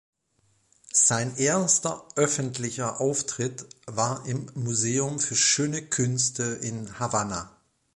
Sein erster öffentlicher Auftritt war im "Museum für Schöne Künste" in Havanna.